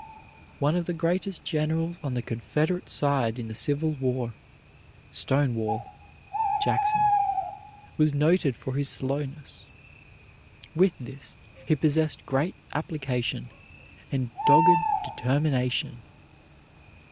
One of the greatest generals on the Confederate side in the Civil War, "Stonewall" Jackson, was noted for his slowness. With this he possessed great application and dogged determination.